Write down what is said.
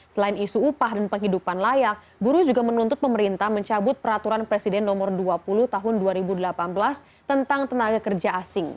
selain isu upah dan penghidupan layak buruh juga menuntut pemerintah mencabut peraturan presiden nomor dua puluh tahun dua ribu delapan belas tentang tenaga kerja asing